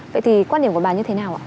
vậy thì quan điểm của bà như thế nào ạ